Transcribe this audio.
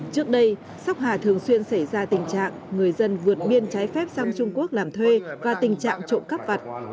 trước đây sóc hà thường xuyên xảy ra tình trạng người dân vượt biên trái phép sang trung quốc làm thuê và tình trạng trộm cắp vặt